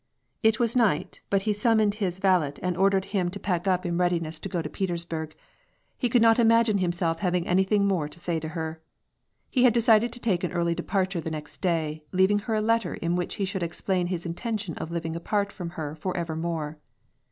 It w^ night, but he summoned his valet and ordered him *'* What busineaB ba<l he there." 80 WAR AND PEACE. to pack up in readiness to go to Petersburg. He could not imagine himself having anything more to say to her. He had decided to take an early departure the next day, leaving her a letter in which he should explain his intention of living apart from her for evermore.